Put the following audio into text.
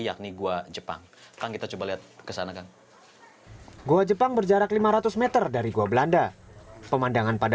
yakni gua jepang kan kita coba lihat kesana kang goa jepang berjarak lima ratus m dari gua belanda pemandangan pada